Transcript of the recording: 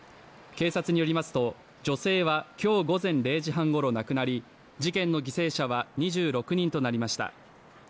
警察によりますと、女性は今日午前０時半ごろ亡くなり、事件の犠牲者は２６人となりました。